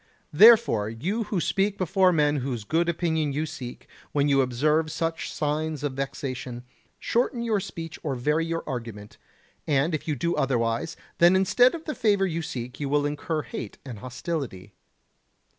Therefore, you who speak before men whose good opinion you seek, when you observe such signs of vexation, shorten your speech or vary your argument; and if you do otherwise, then instead of the favour you seek you will incur hate and hostility.